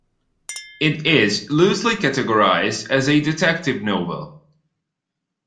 It is loosely categorised as a detective novel.